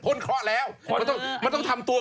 พ้นเคราะห์แล้ว